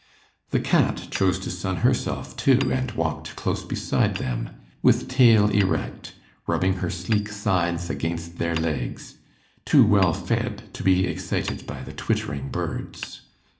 The cat chose to sun herself too, and walked close beside them, with tail erect, rubbing her sleek sides against their legs, too well fed to be excited by the twittering birds.